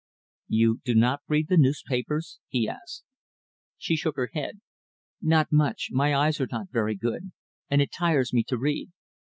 "You do not read the newspapers?" he asked. She shook her head. "Not much. My eyes are not very good, and it tires me to read."